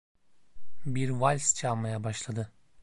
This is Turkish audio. Bir vals çalmaya başladı.